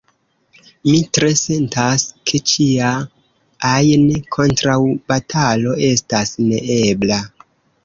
Mi tre sentas, ke ĉia ajn kontraŭbatalo estas neebla.